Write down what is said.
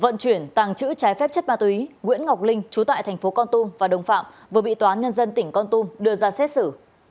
vận chuyển tàng trữ trái phép chất ma túy nguyễn ngọc linh trú tại tp con tum và đồng phạm vừa bị toán nhân dân tỉnh con tum đưa ra xét xử